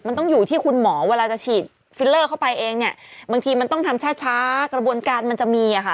มันต้องอยู่ที่คุณหมอเวลาจะฉีดฟิลเลอร์เข้าไปเองเนี่ยบางทีมันต้องทำช้ากระบวนการมันจะมีอ่ะค่ะ